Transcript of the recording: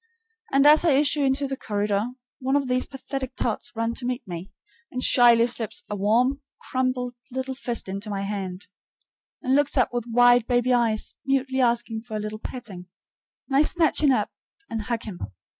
And as I issue into the corridor, one of these pathetic tots runs to meet me, and shyly slips a warm, crumpled little fist into my hand, and looks up with wide baby eyes, mutely asking for a little petting, and I snatch him up and hug him.